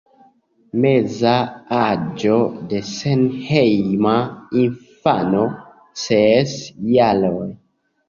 Meza aĝo de senhejma infano: ses jaroj.